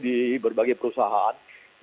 di berbagai perusahaan